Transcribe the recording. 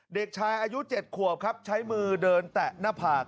เด็กชายอายุ๗ขวบครับใช้มือเดินแตะหน้าผาก